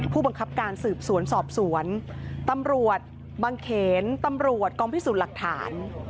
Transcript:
ผู้บังคับการสืบสวนสอบสวนตำรวจบางเขนตำรวจกองพิสูจน์หลักฐาน